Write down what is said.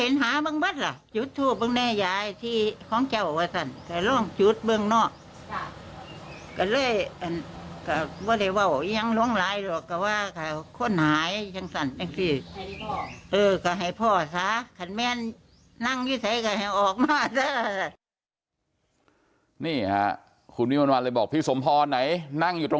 นี่ครับคุณวิวันวานเลยบอกพี่สมพอร์ไหน